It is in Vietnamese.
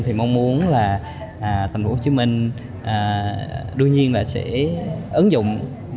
thì mong muốn là thành phố hồ chí minh đương nhiên là sẽ ứng dụng